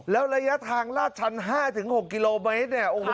แล้วระยะทางลาดชันห้าถึงหกกิโลเมตรเนี่ยโอ้โห